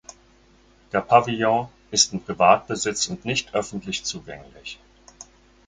Der Pavillon ist in Privatbesitz und nicht öffentlich zugänglich.